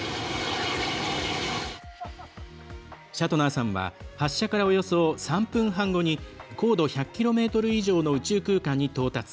シャトナーさんは発射から、およそ３分半後に高度１００ｋｍ以上の宇宙空間に到達。